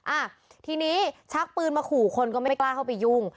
อ่ะทีนี้ชักปืนมาขู่คนก็ไม่ได้กล้าเข้าไปยุ่ง